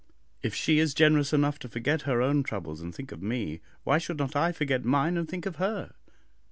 If she is generous enough to forget her own troubles and think of me, why should not I forget mine and think of her?